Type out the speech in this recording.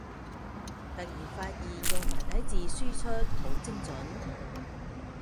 突然發現用繁體字輸出好精准